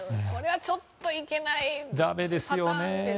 これはちょっといけないパターンですね。